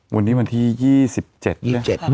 วันนี้วันที่๒๗นะ